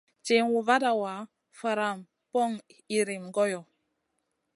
Ciwn vada wa, faran poŋ iyrim goyo.